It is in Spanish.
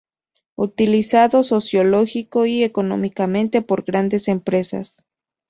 Utilizado sociológico y económicamente por grandes empresas.